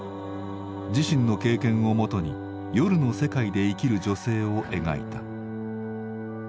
自身の経験をもとに夜の世界で生きる女性を描いた。